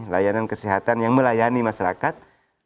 layanan kesehatan yang melayani masyarakat